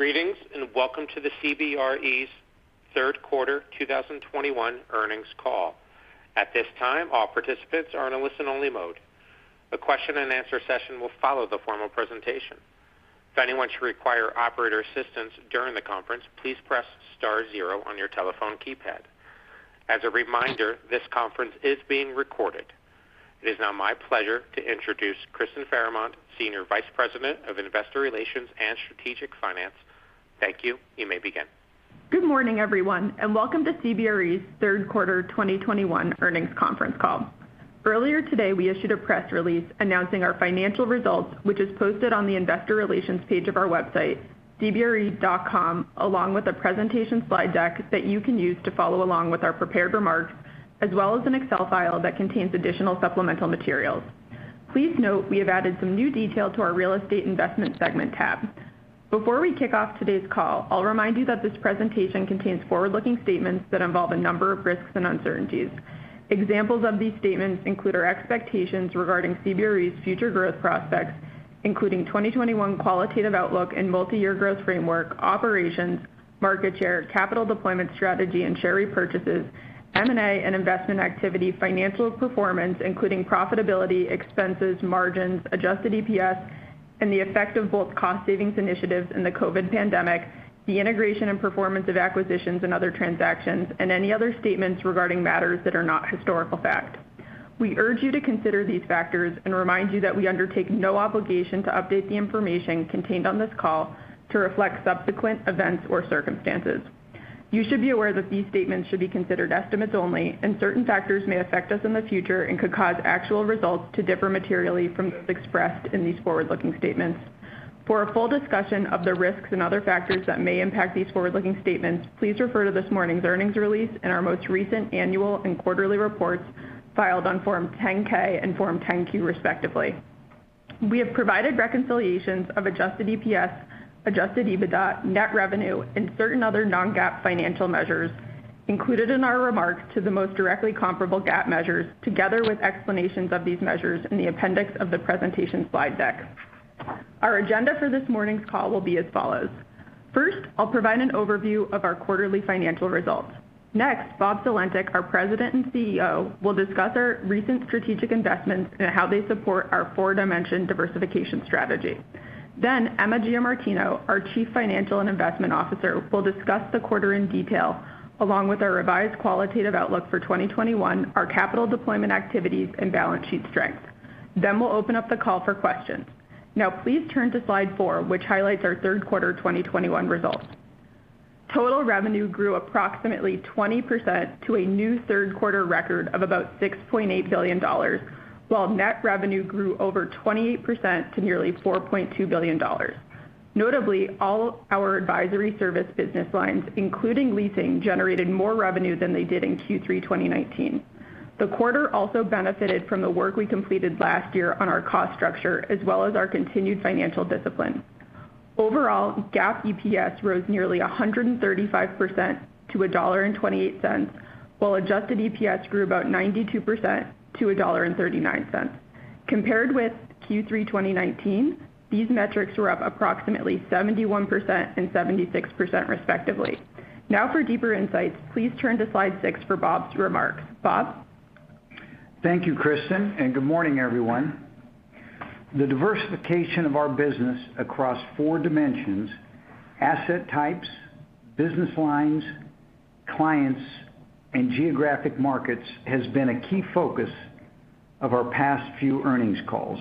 Greetings, and welcome to CBRE's third quarter 2021 earnings call. At this time, all participants are in a listen-only mode. A Q&A session will follow the formal presentation. If anyone should require operator assistance during the conference, please press star zero on your telephone keypad. As a reminder, this conference is being recorded. It is now my pleasure to introduce Kristyn Farahmand, Senior Vice President of Investor Relations and Strategic Finance. Thank you. You may begin. Good morning, everyone, and welcome to CBRE's third quarter 2021 earnings conference call. Earlier today, we issued a press release announcing our financial results, which is posted on the investor relations page of our website, cbre.com, along with a presentation slide deck that you can use to follow along with our prepared remarks, as well as an Excel file that contains additional supplemental materials. Please note, we have added some new detail to our real estate investment segment tab. Before we kick off today's call, I'll remind you that this presentation contains forward-looking statements that involve a number of risks and uncertainties. Examples of these statements include our expectations regarding CBRE's future growth prospects, including 2021 qualitative outlook and multi-year growth framework, operations, market share, capital deployment strategy, and share repurchases, M&A and investment activity, financial performance, including profitability, expenses, margins, adjusted EPS, and the effect of both cost savings initiatives and the COVID pandemic, the integration and performance of acquisitions and other transactions, and any other statements regarding matters that are not historical fact. We urge you to consider these factors and remind you that we undertake no obligation to update the information contained on this call to reflect subsequent events or circumstances. You should be aware that these statements should be considered estimates only, and certain factors may affect us in the future and could cause actual results to differ materially from those expressed in these forward-looking statements. For a full discussion of the risks and other factors that may impact these forward-looking statements, please refer to this morning's earnings release and our most recent annual and quarterly reports filed on Form 10-K and Form 10-Q, respectively. We have provided reconciliations of adjusted EPS, adjusted EBITDA, net revenue, and certain other non-GAAP financial measures included in our remarks to the most directly comparable GAAP measures together with explanations of these measures in the appendix of the presentation slide deck. Our agenda for this morning's call will be as follows. First, I'll provide an overview of our quarterly financial results. Next, Bob Sulentic, our President and CEO, will discuss our recent strategic investments and how they support our four-dimension diversification strategy. Emma Giamartino, our Chief Financial and Investment Officer, will discuss the quarter in detail along with our revised qualitative outlook for 2021, our capital deployment activities and balance sheet strength. We'll open up the call for questions. Now please turn to slide four, which highlights our third quarter 2021 results. Total revenue grew approximately 20% to a new third-quarter record of about $6.8 billion, while net revenue grew over 28% to nearly $4.2 billion. Notably, all our advisory service business lines, including leasing, generated more revenue than they did in Q3 2019. The quarter also benefited from the work we completed last year on our cost structure as well as our continued financial discipline. Overall, GAAP EPS rose nearly 135% to $1.28, while adjusted EPS grew about 92% to $1.39. Compared with Q3 2019, these metrics were up approximately 71% and 76% respectively. Now for deeper insights, please turn to slide six for Bob's remarks. Bob? Thank you, Kristyn, and good morning, everyone. The diversification of our business across four dimensions, asset types, business lines, clients, and geographic markets has been a key focus of our past few earnings calls.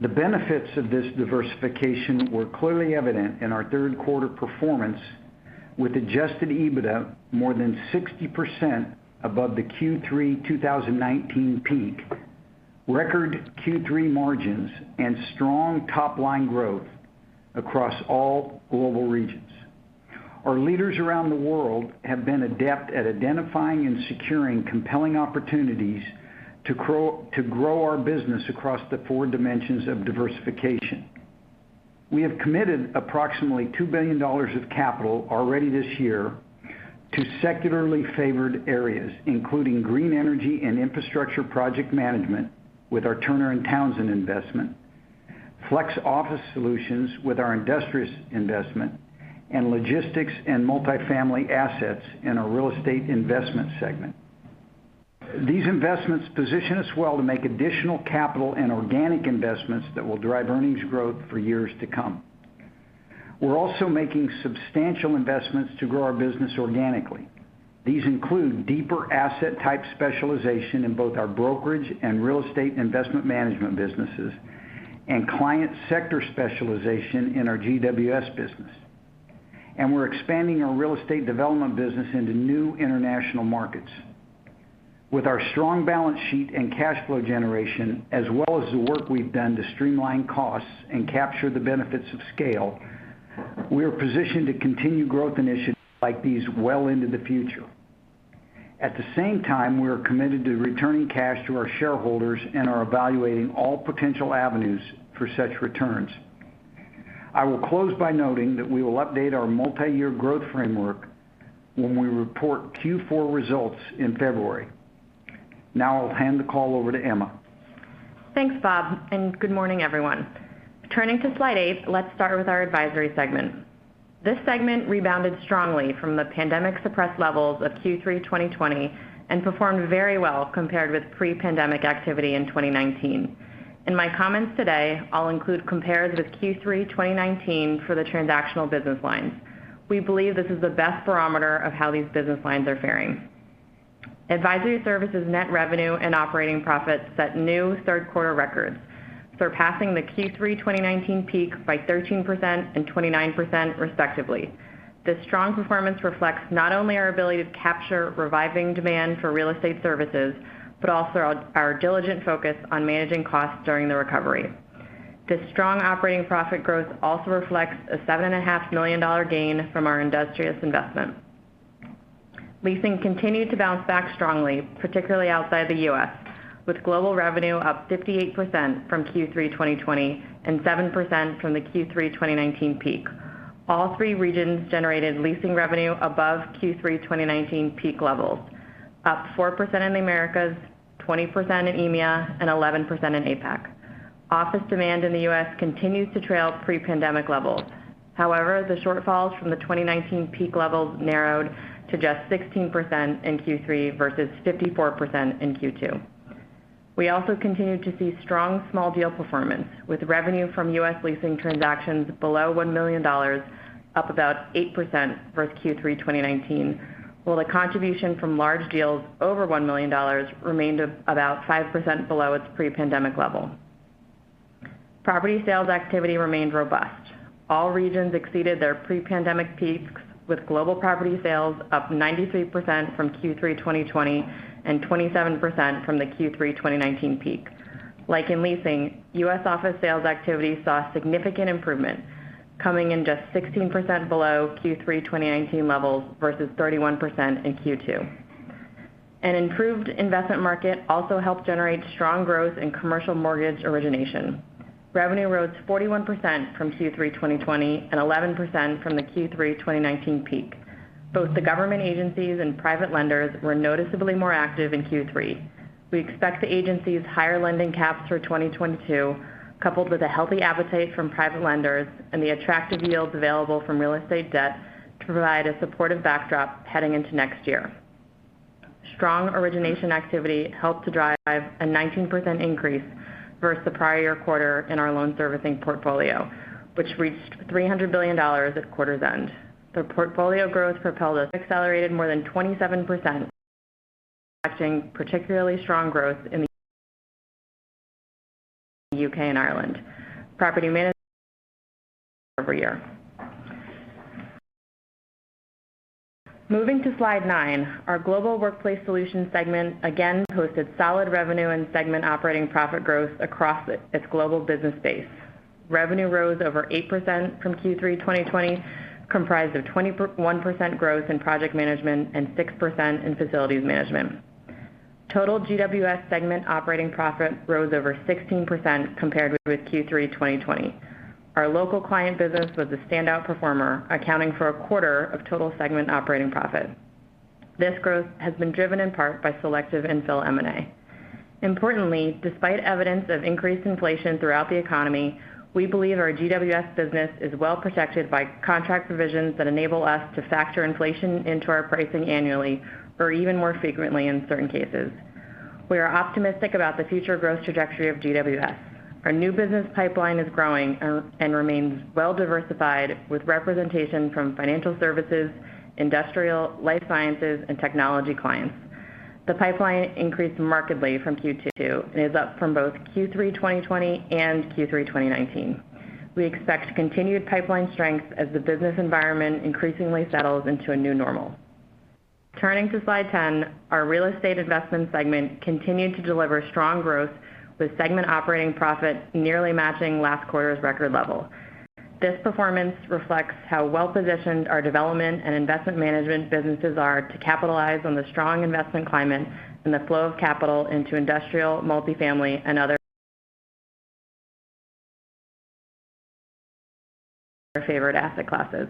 The benefits of this diversification were clearly evident in our third quarter performance with adjusted EBITDA more than 60% above the Q3 2019 peak, record Q3 margins, and strong top-line growth across all global regions. Our leaders around the world have been adept at identifying and securing compelling opportunities to grow our business across the four dimensions of diversification. We have committed approximately $2 billion of capital already this year to secularly favored areas, including green energy and infrastructure project management with our Turner & Townsend investment, flex office solutions with our Industrious investment, and logistics and multi-family assets in our real estate investment segment. These investments position us well to make additional capital and organic investments that will drive earnings growth for years to come. We're also making substantial investments to grow our business organically. These include deeper asset type specialization in both our brokerage and real estate investment management businesses and client sector specialization in our GWS business. We're expanding our real estate development business into new international markets. With our strong balance sheet and cash flow generation, as well as the work we've done to streamline costs and capture the benefits of scale, we are positioned to continue growth initiatives like these well into the future. At the same time, we are committed to returning cash to our shareholders and are evaluating all potential avenues for such returns. I will close by noting that we will update our multi-year growth framework when we report Q4 results in February. Now I'll hand the call over to Emma. Thanks, Bob, and good morning, everyone. Turning to slide eight, let's start with our Advisory segment. This segment rebounded strongly from the pandemic-suppressed levels of Q3 2020 and performed very well compared with pre-pandemic activity in 2019. In my comments today, I'll include compares with Q3 2019 for the transactional business lines. We believe this is the best barometer of how these business lines are faring. Advisory Services net revenue and operating profits set new third-quarter records, surpassing the Q3 2019 peak by 13% and 29%, respectively. This strong performance reflects not only our ability to capture reviving demand for real estate services, but also our diligent focus on managing costs during the recovery. This strong operating profit growth also reflects a $7.5 million gain from our Industrious investment. Leasing continued to bounce back strongly, particularly outside the U.S., with global revenue up 58% from Q3 2020 and 7% from the Q3 2019 peak. All three regions generated leasing revenue above Q3 2019 peak levels, up 4% in the Americas, 20% in EMEA, and 11% in APAC. Office demand in the U.S. continues to trail pre-pandemic levels. However, the shortfalls from the 2019 peak levels narrowed to just 16% in Q3 versus 54% in Q2. We also continued to see strong small deal performance with revenue from U.S. leasing transactions below $1 million up about 8% versus Q3 2019, while the contribution from large deals over $1 million remained about 5% below its pre-pandemic level. Property sales activity remained robust. All regions exceeded their pre-pandemic peaks, with global property sales up 93% from Q3 2020 and 27% from the Q3 2019 peak. Like in leasing, U.S. office sales activity saw significant improvement, coming in just 16% below Q3 2019 levels versus 31% in Q2. An improved investment market also helped generate strong growth in commercial mortgage origination. Revenue rose 41% from Q3 2020 and 11% from the Q3 2019 peak. Both the government agencies and private lenders were noticeably more active in Q3. We expect the agency's higher lending caps for 2022, coupled with a healthy appetite from private lenders and the attractive yields available from real estate debt to provide a supportive backdrop heading into next year. Strong origination activity helped to drive a 19% increase versus the prior quarter in our loan servicing portfolio, which reached $300 billion at quarter's end. The portfolio growth propelled us to accelerate more than 27%, particularly strong growth in the U.K. and Ireland property management year-over-year. Moving to slide 9, our Global Workplace Solutions segment again posted solid revenue and segment operating profit growth across its global business base. Revenue rose over 8% from Q3 2020, comprised of 21% growth in project management and 6% in facilities management. Total GWS segment operating profit rose over 16% compared with Q3 2020. Our local client business was the standout performer, accounting for a quarter of total segment operating profit. This growth has been driven in part by selective infill M&A. Importantly, despite evidence of increased inflation throughout the economy, we believe our GWS business is well protected by contract provisions that enable us to factor inflation into our pricing annually or even more frequently in certain cases. We are optimistic about the future growth trajectory of GWS. Our new business pipeline is growing and remains well diversified with representation from financial services, industrial, life sciences, and technology clients. The pipeline increased markedly from Q2 and is up from both Q3 2020 and Q3 2019. We expect continued pipeline strength as the business environment increasingly settles into a new normal. Turning to slide 10, our real estate investment segment continued to deliver strong growth with segment operating profit nearly matching last quarter's record level. This performance reflects how well-positioned our development and investment management businesses are to capitalize on the strong investment climate and the flow of capital into industrial, multifamily, and other favored asset classes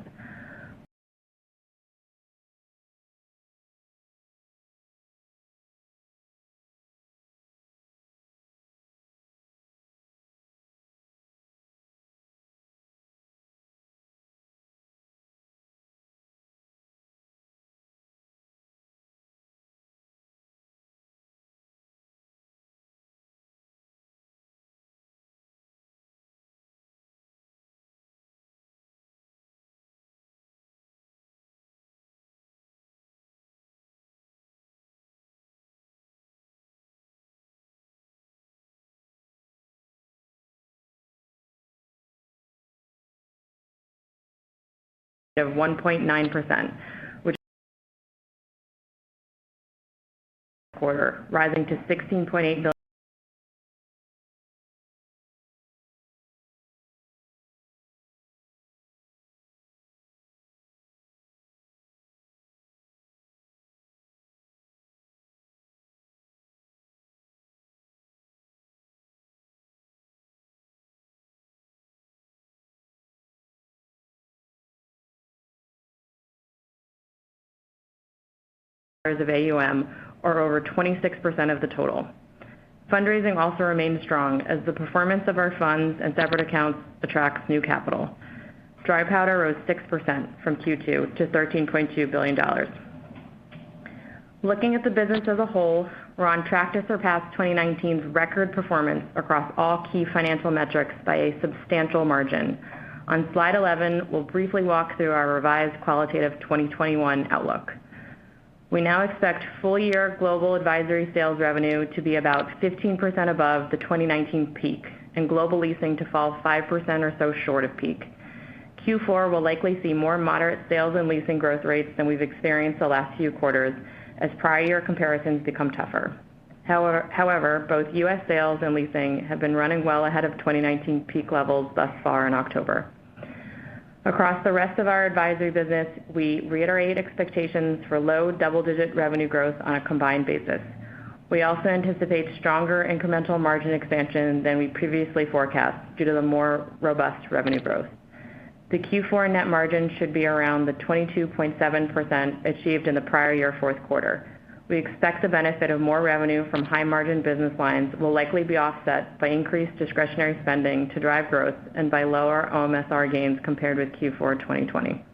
of AUM are over 26% of the total. Fundraising also remains strong as the performance of our funds and separate accounts attracts new capital. Dry powder rose 6% from Q2 to $13.2 billion. Looking at the business as a whole, we're on track to surpass 2019's record performance across all key financial metrics by a substantial margin. On slide 11, we'll briefly walk through our revised quantitative 2021 outlook. We now expect full year global advisory sales revenue to be about 15% above the 2019 peak, and global leasing to fall 5% or so short of peak. Q4 will likely see more moderate sales and leasing growth rates than we've experienced the last few quarters as prior year comparisons become tougher. However, both U.S. sales and leasing have been running well ahead of 2019 peak levels thus far in October. Across the rest of our advisory business, we reiterate expectations for low double-digit revenue growth on a combined basis. We also anticipate stronger incremental margin expansion than we previously forecast due to the more robust revenue growth. The Q4 net margin should be around the 22.7% achieved in the prior year fourth quarter. We expect the benefit of more revenue from high margin business lines will likely be offset by increased discretionary spending to drive growth and by lower OMSR gains compared with Q4 2020.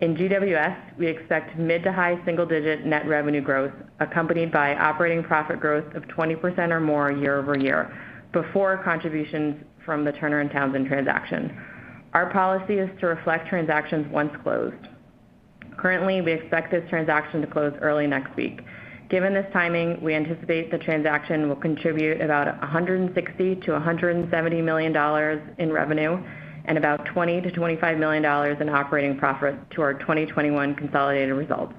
In GWS, we expect mid- to high-single-digit net revenue growth, accompanied by operating profit growth of 20% or more year-over-year before contributions from the Turner & Townsend transaction. Our policy is to reflect transactions once closed. Currently, we expect this transaction to close early next week. Given this timing, we anticipate the transaction will contribute about $160 million-$170 million in revenue and about $20 million-$25 million in operating profit to our 2021 consolidated results.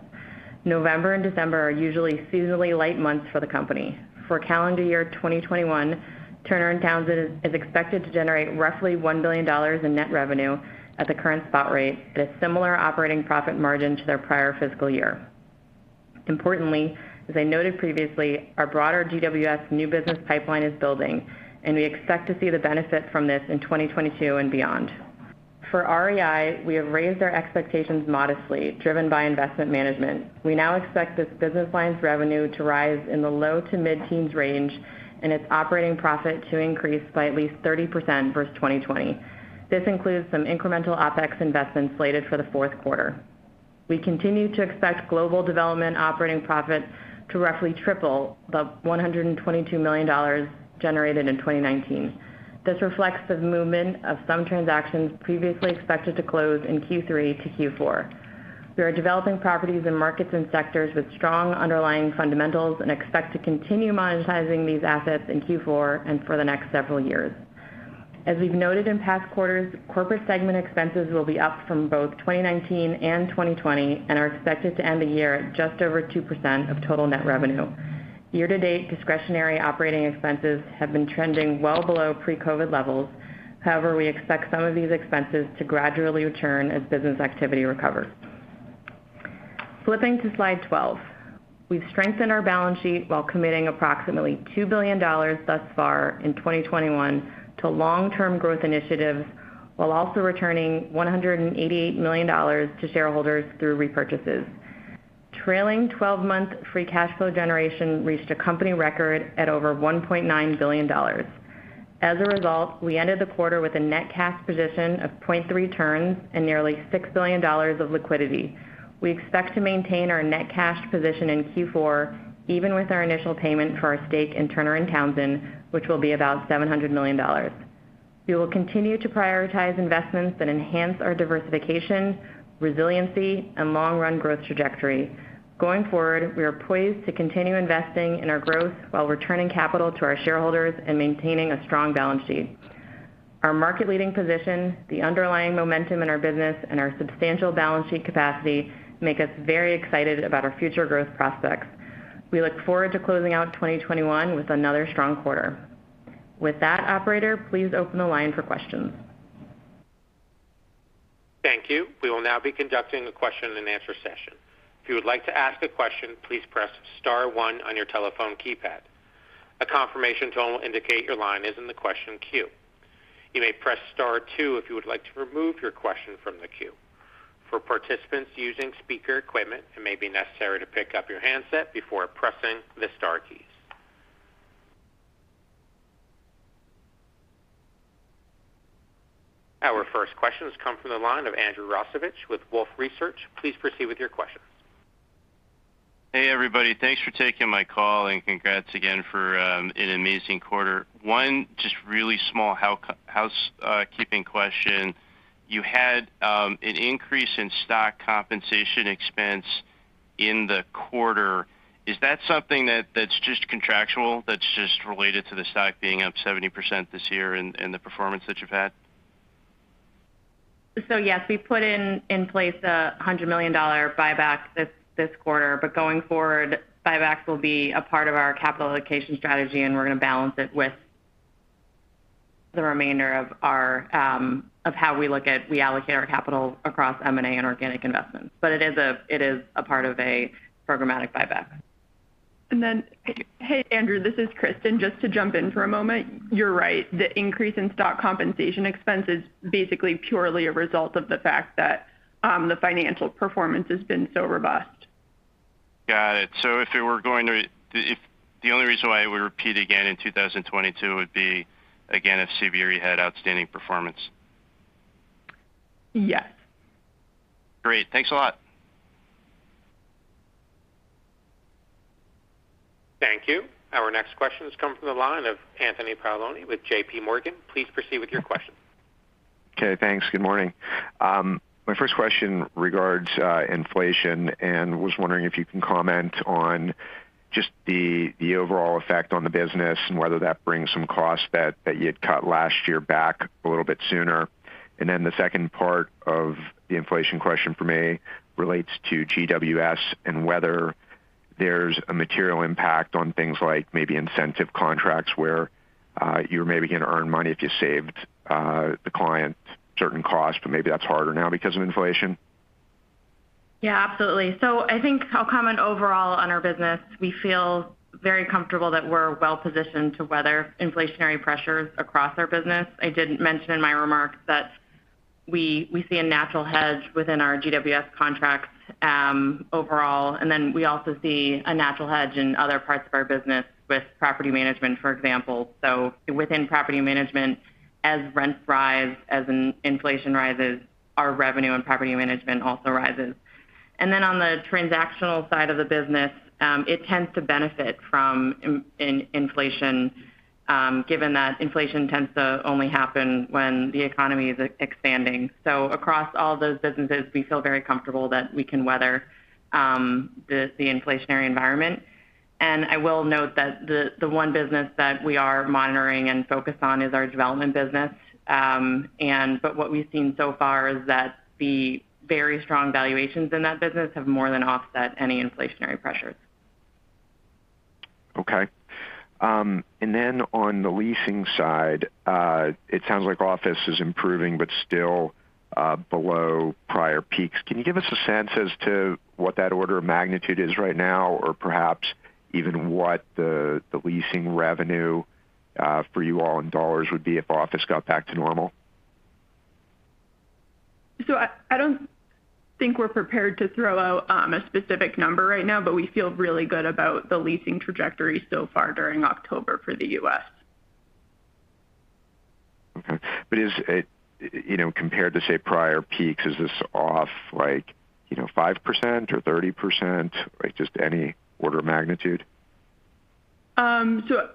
November and December are usually seasonally light months for the company. For calendar year 2021, Turner & Townsend is expected to generate roughly $1 billion in net revenue at the current spot rate at a similar operating profit margin to their prior fiscal year. Importantly, as I noted previously, our broader GWS new business pipeline is building, and we expect to see the benefit from this in 2022 and beyond. For REI, we have raised our expectations modestly, driven by investment management. We now expect this business line's revenue to rise in the low- to mid-teens range and its operating profit to increase by at least 30% versus 2020. This includes some incremental OpEx investments slated for the fourth quarter. We continue to expect global development operating profit to roughly triple the $122 million generated in 2019. This reflects the movement of some transactions previously expected to close in Q3-Q4. We are developing properties in markets and sectors with strong underlying fundamentals and expect to continue monetizing these assets in Q4 and for the next several years. As we've noted in past quarters, corporate segment expenses will be up from both 2019 and 2020 and are expected to end the year at just over 2% of total net revenue. Year-to-date discretionary operating expenses have been trending well below pre-COVID levels. However, we expect some of these expenses to gradually return as business activity recovers. Flipping to slide 12. We've strengthened our balance sheet while committing approximately $2 billion thus far in 2021 to long-term growth initiatives, while also returning $188 million to shareholders through repurchases. Trailing twelve-month free cash flow generation reached a company record at over $1.9 billion. As a result, we ended the quarter with a net cash position of 0.3 turns and nearly $6 billion of liquidity. We expect to maintain our net cash position in Q4, even with our initial payment for our stake in Turner & Townsend, which will be about $700 million. We will continue to prioritize investments that enhance our diversification, resiliency, and long run growth trajectory. Going forward, we are poised to continue investing in our growth while returning capital to our shareholders and maintaining a strong balance sheet. Our market leading position, the underlying momentum in our business, and our substantial balance sheet capacity make us very excited about our future growth prospects. We look forward to closing out 2021 with another strong quarter. With that, operator, please open the line for questions. Thank you. We will now be conducting a Q&A session. If you would like to ask a question, please press star one on your telephone keypad. A confirmation tone will indicate your line is in the question queue. You may press star two if you would like to remove your question from the queue. For participants using speaker equipment, it may be necessary to pick up your handset before pressing the star keys. Our first question has come from the line of Andrew Rosivach with Wolfe Research. Please proceed with your question. Hey, everybody. Thanks for taking my call and congrats again for an amazing quarter. One just really small housekeeping question. You had an increase in stock compensation expense in the quarter. Is that something that's just contractual, that's just related to the stock being up 70% this year and the performance that you've had? Yes, we put in place a $100 million buyback this quarter. Going forward, buybacks will be a part of our capital allocation strategy, and we're going to balance it with the remainder of our of how we look at we allocate our capital across M&A and organic investments. It is a part of a programmatic buyback. Then, hey Andrew, this is Kristyn. Just to jump in for a moment. You're right. The increase in stock compensation expense is basically purely a result of the fact that the financial performance has been so robust. Got it. If the only reason why it would repeat again in 2022 would be again if CBRE had outstanding performance. Yes. Great. Thanks a lot. Thank you. Our next question has come from the line of Anthony Paolone with JPMorgan. Please proceed with your question. Okay, thanks. Good morning. My first question regards inflation and I was wondering if you can comment on just the overall effect on the business and whether that brings some costs that you'd cut last year back a little bit sooner. The second part of the inflation question for me relates to GWS and whether there's a material impact on things like maybe incentive contracts where you're maybe going to earn money if you saved the client certain costs. Maybe that's harder now because of inflation. Yeah, absolutely. I think I'll comment overall on our business. We feel very comfortable that we're well positioned to weather inflationary pressures across our business. I did mention in my remarks that we see a natural hedge within our GWS contracts overall. We also see a natural hedge in other parts of our business with property management, for example. Within property management, as rents rise, as inflation rises, our revenue and property management also rises. On the transactional side of the business, it tends to benefit from inflation given that inflation tends to only happen when the economy is expanding. Across all those businesses, we feel very comfortable that we can weather the inflationary environment. I will note that the one business that we are monitoring and focused on is our development business. What we've seen so far is that the very strong valuations in that business have more than offset any inflationary pressures. Okay. On the leasing side, it sounds like office is improving but still below prior peaks. Can you give us a sense as to what that order of magnitude is right now? Or perhaps even what the leasing revenue for you all in dollars would be if office got back to normal? I don't think we're prepared to throw out a specific number right now, but we feel really good about the leasing trajectory so far during October for the U.S. Okay. Is it, you know, compared to, say, prior peaks, is this off like, you know, 5% or 30%? Like, just any order of magnitude?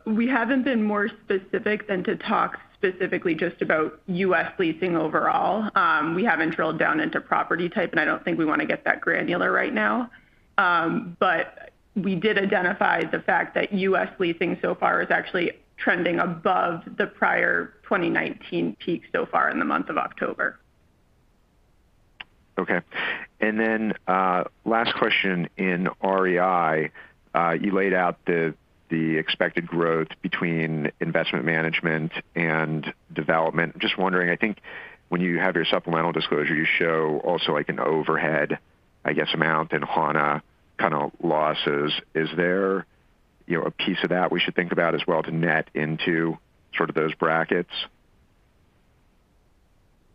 We haven't been more specific than to talk specifically just about U.S. leasing overall. We haven't drilled down into property type, and I don't think we want to get that granular right now. We did identify the fact that U.S. leasing so far is actually trending above the prior 2019 peak so far in the month of October. Okay. Last question in REI, you laid out the expected growth between investment management and development. Just wondering, I think when you have your supplemental disclosure, you show also like an overhead, I guess amount in Hana kind of losses. Is there, you know, a piece of that we should think about as well to net into sort of those brackets?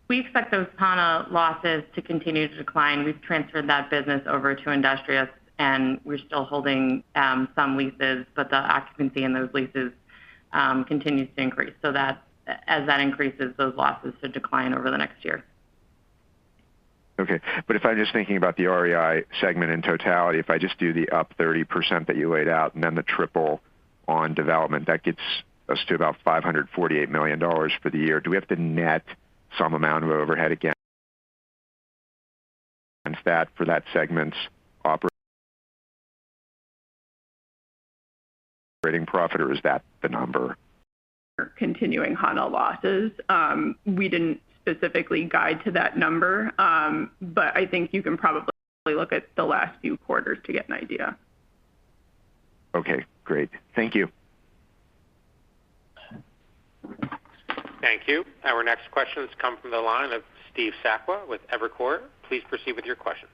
We expect those Hana losses to continue to decline. We've transferred that business over to Industrious, and we're still holding some leases, but the occupancy in those leases continues to increase. As that increases those losses to decline over the next year. Okay. If I'm just thinking about the REI segment in totality, if I just do the up 30% that you laid out and then the triple on development, that gets us to about $548 million for the year. Do we have to net some amount of overhead against that for that segment's operating profit, or is that the number? Continuing Hana losses. We didn't specifically guide to that number. I think you can probably look at the last few quarters to get an idea. Okay, great. Thank you. Thank you. Our next question has come from the line of Steve Sakwa with Evercore. Please proceed with your questions.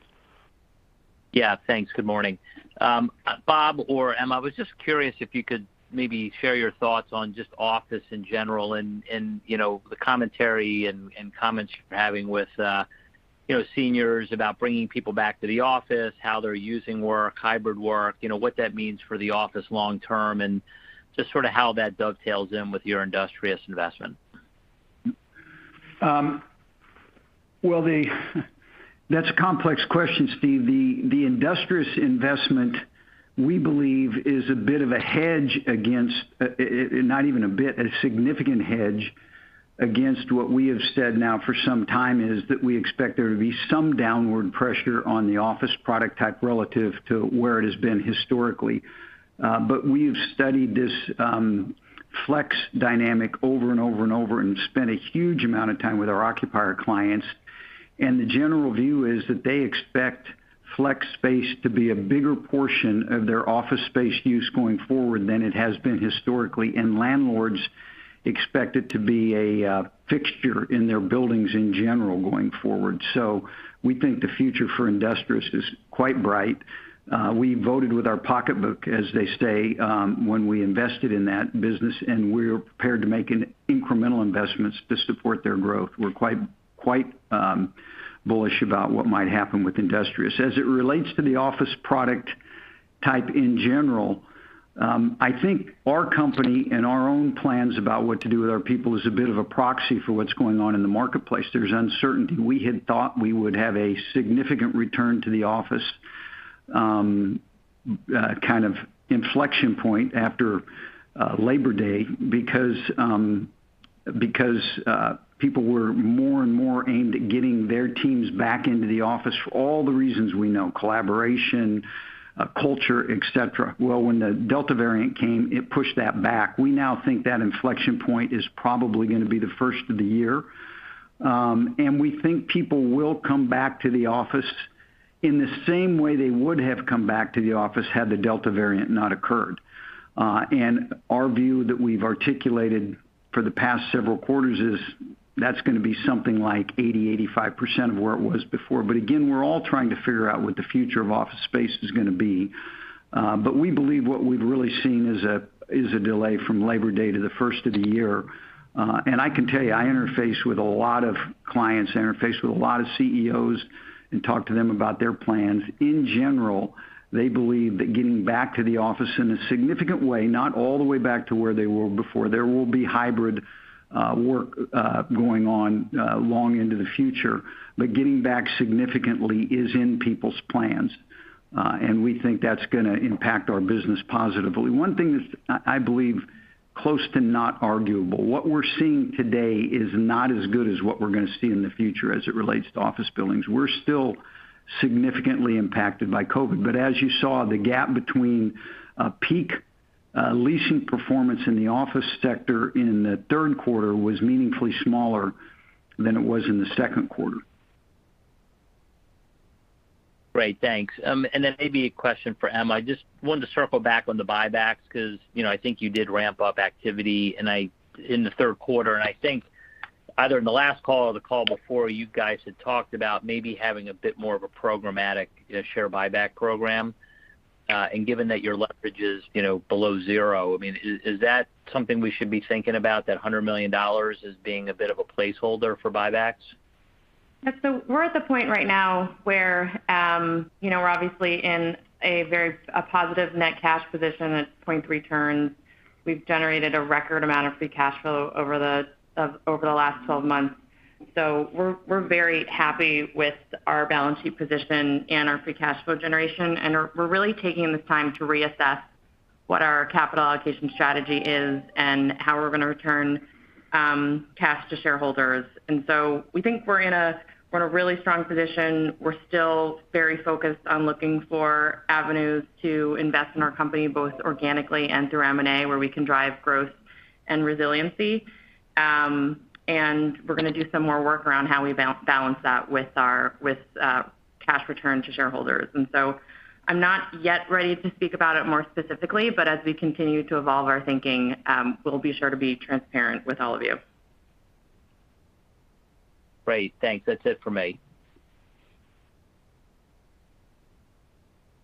Yeah, thanks. Good morning. Bob or Emma, I was just curious if you could maybe share your thoughts on just office in general and, you know, the commentary and comments you're having with, you know, seniors about bringing people back to the office, how they're using work, hybrid work, you know, what that means for the office long term, and just sort of how that dovetails in with your Industrious investment. Well, that's a complex question, Steve. The Industrious investment, we believe, is a bit of a hedge against, not even a bit, a significant hedge against what we have said now for some time is that we expect there to be some downward pressure on the office product type relative to where it has been historically. We've studied this flex dynamic over and over and spent a huge amount of time with our occupier clients. The general view is that they expect flex space to be a bigger portion of their office space use going forward than it has been historically. Landlords expect it to be a fixture in their buildings in general going forward. We think the future for Industrious is quite bright. We voted with our pocketbook, as they say, when we invested in that business, and we're prepared to make an incremental investments to support their growth. We're quite bullish about what might happen with Industrious. As it relates to the office product type in general, I think our company and our own plans about what to do with our people is a bit of a proxy for what's going on in the marketplace. There's uncertainty. We had thought we would have a significant return to the office, kind of inflection point after Labor Day because people were more and more aimed at getting their teams back into the office for all the reasons we know: collaboration, culture, et cetera. Well, when the Delta variant came, it pushed that back. We now think that inflection point is probably gonna be the first of the year. We think people will come back to the office in the same way they would have come back to the office had the Delta variant not occurred. Our view that we've articulated for the past several quarters is that's gonna be something like 80%-85% of where it was before. Again, we're all trying to figure out what the future of office space is gonna be. We believe what we've really seen is a delay from Labor Day to the first of the year. I can tell you, I interface with a lot of clients, interface with a lot of CEOs and talk to them about their plans. In general, they believe that getting back to the office in a significant way, not all the way back to where they were before. There will be hybrid work going on long into the future. We think that's gonna impact our business positively. One thing that's close to not arguable, what we're seeing today is not as good as what we're gonna see in the future as it relates to office buildings. We're still significantly impacted by COVID. As you saw, the gap between peak leasing performance in the office sector in the third quarter was meaningfully smaller than it was in the second quarter. Great, thanks. Maybe a question for Emma. I just wanted to circle back on the buybacks because, you know, I think you did ramp up activity and in the third quarter, and I think either in the last call or the call before, you guys had talked about maybe having a bit more of a programmatic share buyback program. Given that your leverage is, you know, below zero, I mean, is that something we should be thinking about, that $100 million as being a bit of a placeholder for buybacks? We're at the point right now where, you know, we're obviously in a positive net cash position at 0.3 turns. We've generated a record amount of free cash flow over the last 12 months. We're very happy with our balance sheet position and our free cash flow generation. We're really taking this time to reassess what our capital allocation strategy is and how we're going to return cash to shareholders. We think we're in a really strong position. We're still very focused on looking for avenues to invest in our company, both organically and through M&A, where we can drive growth and resiliency. We're gonna do some more work around how we balance that with cash return to shareholders. I'm not yet ready to speak about it more specifically, but as we continue to evolve our thinking, we'll be sure to be transparent with all of you. Great. Thanks. That's it for me.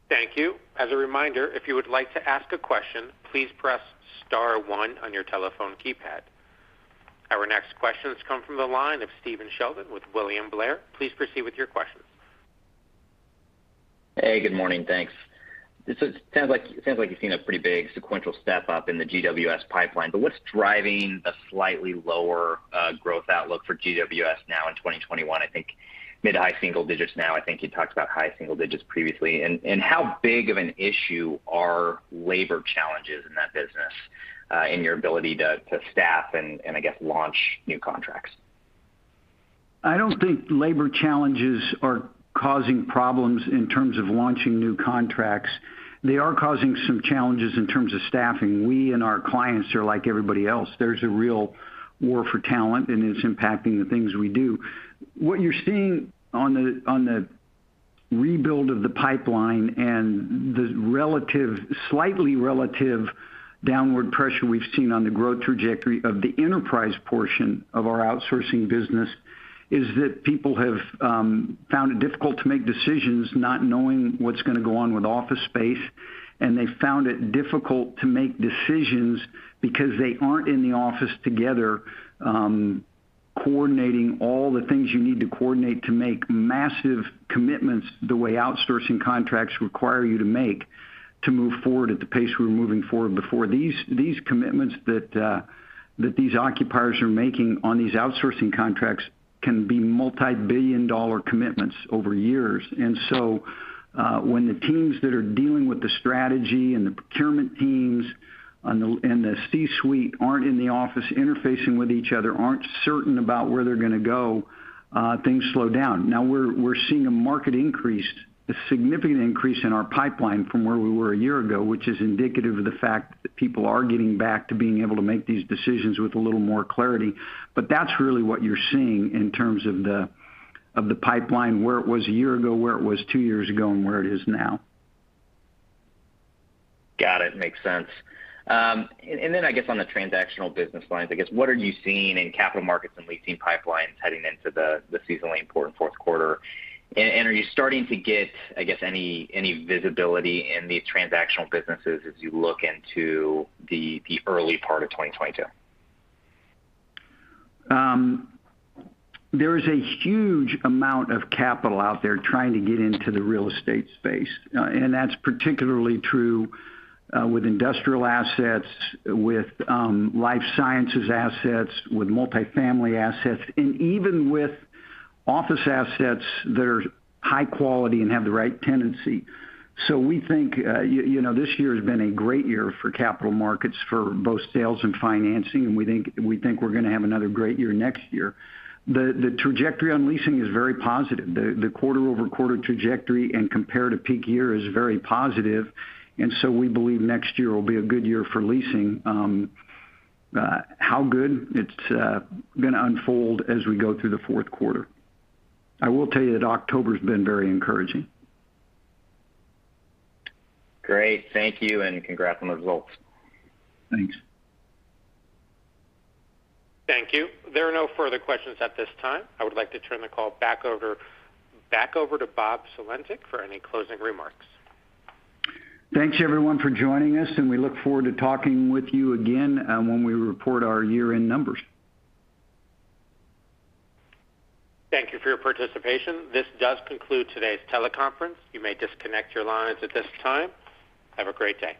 Thank you. As a reminder, if you would like to ask a question, please press star one on your telephone keypad. Our next question has come from the line of Stephen Sheldon with William Blair. Please proceed with your question. Hey, good morning. Thanks. It sounds like you've seen a pretty big sequential step up in the GWS pipeline, but what's driving the slightly lower growth outlook for GWS now in 2021? I think mid- to high single digits now. I think you talked about high single digits previously. How big of an issue are labor challenges in that business in your ability to staff and I guess launch new contracts? I don't think labor challenges are causing problems in terms of launching new contracts. They are causing some challenges in terms of staffing. We and our clients are like everybody else. There's a real war for talent, and it's impacting the things we do. What you're seeing on the rebuild of the pipeline and the relatively slight downward pressure we've seen on the growth trajectory of the enterprise portion of our outsourcing business is that people have found it difficult to make decisions not knowing what's going to go on with office space. They found it difficult to make decisions because they aren't in the office together coordinating all the things you need to coordinate to make massive commitments the way outsourcing contracts require you to make to move forward at the pace we were moving forward before. These commitments that these occupiers are making on these outsourcing contracts can be multi-billion-dollar commitments over years. When the teams that are dealing with the strategy and the procurement teams and the C-suite aren't in the office interfacing with each other, aren't certain about where they're going to go, things slow down. Now we're seeing a market increase, a significant increase in our pipeline from where we were a year ago, which is indicative of the fact that people are getting back to being able to make these decisions with a little more clarity. That's really what you're seeing in terms of the pipeline, where it was a year ago, where it was two years ago, and where it is now. Got it. Makes sense. I guess on the transactional business lines, I guess, what are you seeing in capital markets and leasing pipelines heading into the seasonally important fourth quarter? Are you starting to get, I guess, any visibility in these transactional businesses as you look into the early part of 2022? There is a huge amount of capital out there trying to get into the real estate space. That's particularly true with industrial assets, with life sciences assets, with multifamily assets, and even with office assets that are high quality and have the right tenancy. We think you know, this year has been a great year for capital markets for both sales and financing, and we think we're going to have another great year next year. The trajectory on leasing is very positive. The quarter-over-quarter trajectory and compared to peak year is very positive. We believe next year will be a good year for leasing. How good it's going to unfold as we go through the fourth quarter. I will tell you that October's been very encouraging. Great. Thank you, and congrats on the results. Thanks. Thank you. There are no further questions at this time. I would like to turn the call back over to Bob Sulentic for any closing remarks. Thanks, everyone, for joining us, and we look forward to talking with you again, when we report our year-end numbers. Thank you for your participation. This does conclude today's teleconference. You may disconnect your lines at this time. Have a great day.